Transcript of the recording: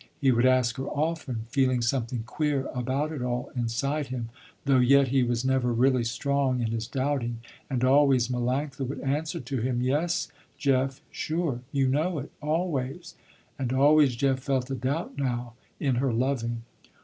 He would ask her often, feeling something queer about it all inside him, though yet he was never really strong in his doubting, and always Melanctha would answer to him, "Yes Jeff, sure, you know it, always," and always Jeff felt a doubt now, in her loving.